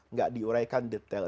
nggak diuraikan detail